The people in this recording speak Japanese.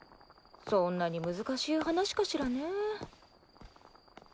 そんなに難しい話かしらねぇ。